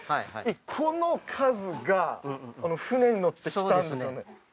この数が船に乗って来たんですよね？